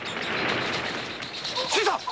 新さん！